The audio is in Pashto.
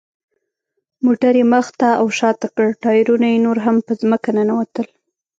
موټر یې مخ ته او شاته کړ، ټایرونه یې نور هم په ځمکه ننوتل.